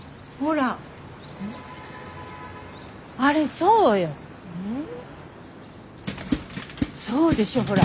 そうでしょほら。